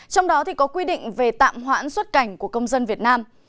trong đó có quy định về tạm hoãn xuất cảnh của công dân việt nam